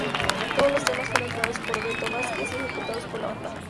Todos los temas fueron creados por Beto Vázquez y ejecutados por la banda.